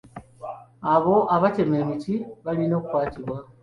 Abo abatema emiti balina okukwatibwa.